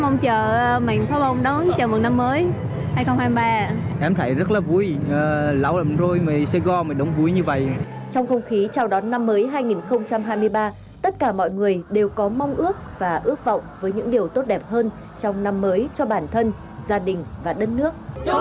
năm mới hai nghìn hai mươi ba tất cả mọi người đều có mong ước và ước vọng với những điều tốt đẹp hơn trong năm mới cho bản thân gia đình và đất nước